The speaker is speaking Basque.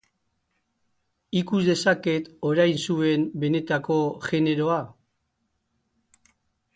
Ikus dezaket orain zuen benetako jeneroa?